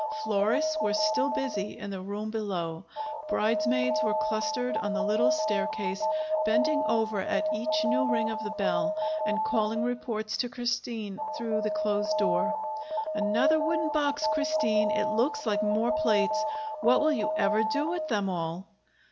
Florists were still busy in the room below. Bridesmaids were clustered on the little staircase, bending over at each new ring of the bell and calling reports to Christine through the closed door: "Another wooden box, Christine. It looks like more plates. What will you ever do with them all?"